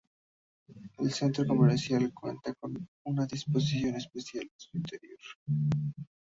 El centro comercial cuenta con una disposición especial en su interior.